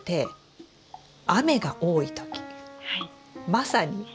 まさに。